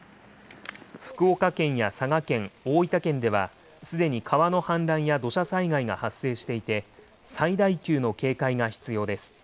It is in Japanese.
福岡県や佐賀県、大分県では、すでに川の氾濫や土砂災害が発生していて、最大級の警戒が必要です。